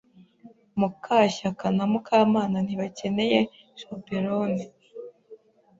Mukashyakana Mukamana ntibakeneye chaperone.